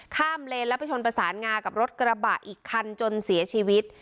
เลนแล้วไปชนประสานงากับรถกระบะอีกคันจนเสียชีวิต